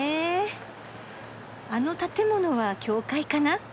あの建物は教会かな。